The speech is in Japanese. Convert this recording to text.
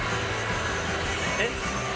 えっ？